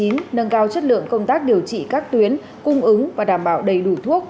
nâng cao chất lượng công tác điều trị các tuyến cung ứng và đảm bảo đầy đủ thuốc